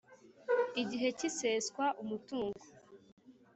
Igihe cy iseswa umutungo